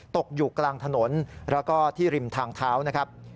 ตกอยู่กลางถนนแล้วก็ที่ริมทางเท้านะครับ